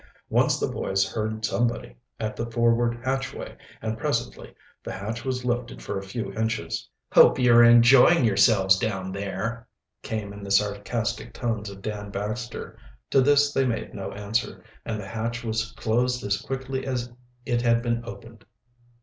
Once the boys heard somebody at the forward hatchway, and presently the hatch was lifted for a few inches. "Hope you are enjoying yourselves down there," came in the sarcastic tones of Dan Baxter. To this they made no answer, and the hatch was closed as quickly as it had been opened.